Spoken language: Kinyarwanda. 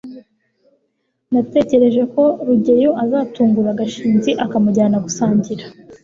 natekereje ko rugeyo azatungura gashinzi akamujyana gusangira